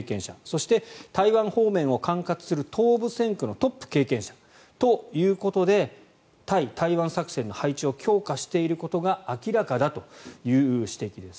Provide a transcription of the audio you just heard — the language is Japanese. そして台湾方面を管轄する東部戦区のトップ経験者ということで対台湾作戦の配置を強化していることが明らかだという指摘です。